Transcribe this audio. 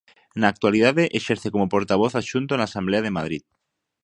Na actualidade exerce como portavoz adxunto na Asemblea de Madrid.